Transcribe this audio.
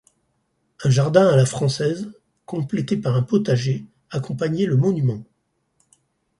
Un jardin à la française, complété par un potager, accompagnait le monument.